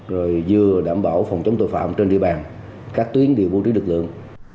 rồi vừa đảm bảo phòng chống tội phạm trên địa bàn các tuyến đều bố trí lực lượng